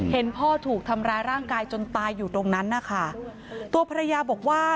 เห็นพ่อถูกทำร้ายร่างกายจนตายอยู่ตรงนั้นนะคะตัวภรรยาบอกว่า